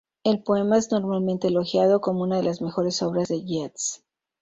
El poema es normalmente elogiado como una de las mejores obras de Yeats.